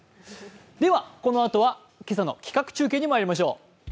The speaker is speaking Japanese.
ではこのあとは今朝の企画中継にまいりましょう。